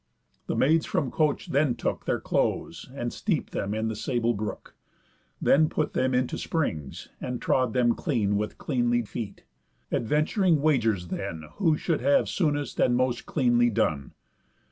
The maids from coach then took Their clothes, and steep'd them in the sable brook: Then put them into springs, and trod them clean With cleanly feet; adventuring wagers then Who should have soonest and most cleanly done.